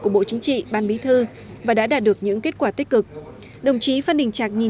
của bộ chính trị ban bí thư và đã đạt được những kết quả tích cực đồng chí phan đình trạc nhìn